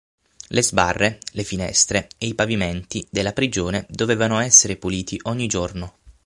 Le sbarre, le finestre e i pavimenti della prigione dovevano essere puliti ogni giorno.